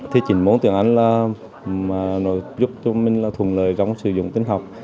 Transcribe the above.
thì chỉnh môn tiếng anh là nó giúp cho mình thuận lợi trong sử dụng tiếng học